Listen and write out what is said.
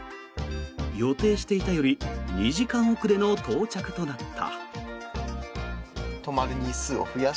予定していたより２時間遅れの到着となった。